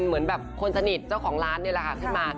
ไม่ใช่